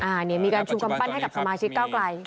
อันนี้มีการชูกำปั้นให้กับสมาชิกเก้าไกล